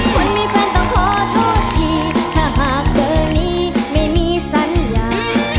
คนมีแฟนต้องขอโทษทีถ้าหากเบอร์นี้ไม่มีสัญญา